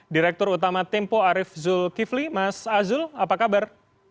direktur utama tempo arief zulkifli mas azul apa kabar